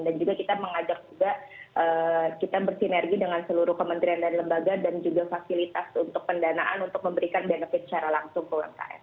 juga kita mengajak juga kita bersinergi dengan seluruh kementerian dan lembaga dan juga fasilitas untuk pendanaan untuk memberikan benefit secara langsung ke umkm